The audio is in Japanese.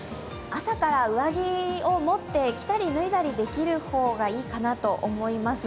朝から上着を持って着たり脱いだりできる方がいいかなと思います。